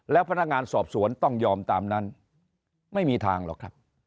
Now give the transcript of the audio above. แล้วพนักงานสอบสวนต้องยอมตามนั้นไม่มีทางหรอกครับ